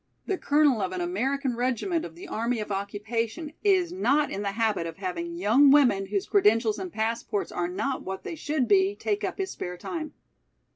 The colonel of an American regiment of the army of occupation is not in the habit of having young women whose credentials and passports are not what they should be, take up his spare time.